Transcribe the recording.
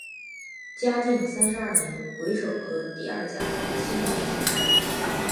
嘉靖三十二年癸丑科第二甲第七十名进士。